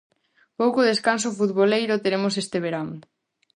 Pouco descanso futboleiro teremos este verán.